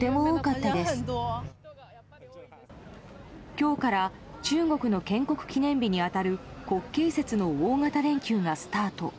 今日から中国の建国記念日に当たる国慶節の大型連休がスタート。